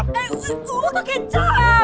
eh gue kecap